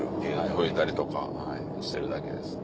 拭いたりとかしてるだけです。